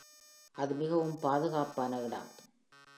அது மிகவும் பாதுகாப்பான இடம்.